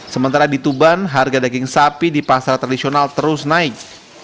sementara di tuban harga daging sapi di pasar tradisional terus naik